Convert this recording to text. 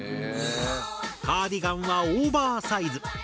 カーディガンはオーバーサイズ。